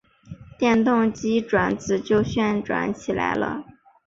电动机转子就旋转起来了。